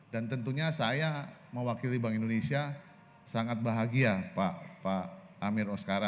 dan tentunya saya mewakili bank indonesia sangat bahagia pak amir raskara